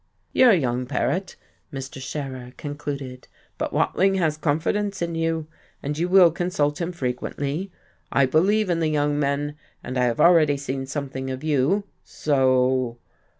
"You're young, Paret," Mr. Scherer concluded. "But Watling has confidence in you, and you will consult him frequently. I believe in the young men, and I have already seen something of you so?"...